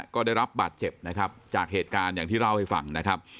ก็ได้รับบาดเจ็บนะครับจากเหตุการณ์อย่างที่เล่าให้ฟังนะครับ